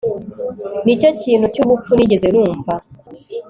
Nicyo kintu cyubupfu nigeze numva